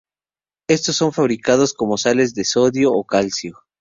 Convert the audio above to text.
Estos son fabricados como sales de sodio o calcio.